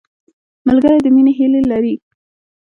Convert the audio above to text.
ملګری د مینې هیلې لري